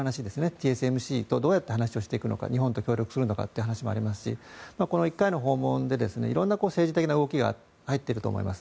ＴＳＭＣとどうやって話をしていくのか日本と協力するのかって話もありますしこの１回の訪問で色んな政治的な動きが入っていると思います。